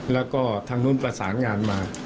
แล้วก็ทางนู้นประสานงานมา